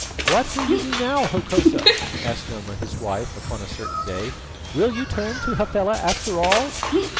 "What will you do now, Hokosa?" asked Noma his wife upon a certain day. "Will you turn to Hafela after all?"